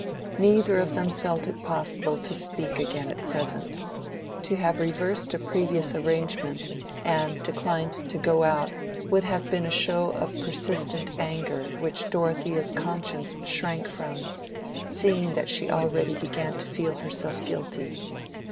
Neither of them felt it possible to speak again at present. To have reversed a previous arrangement and declined to go out would have been a show of persistent anger which Dorothea's conscience shrank from, seeing that she already began to feel herself guilty.